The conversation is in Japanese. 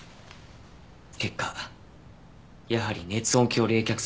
結果やはり熱音響冷却装置でした。